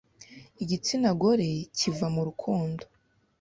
Igitsina gore kiva mu Rukundo